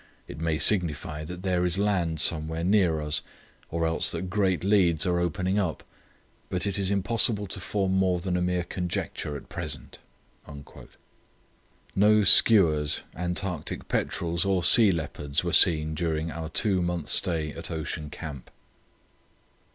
It may signify that there is land somewhere near us, or else that great leads are opening up, but it is impossible to form more than a mere conjecture at present." No skuas, Antarctic petrels, or sea leopards were seen during our two months' stay at Ocean Camp.